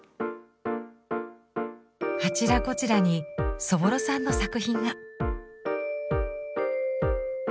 あちらこちらにそぼろさんの作品が。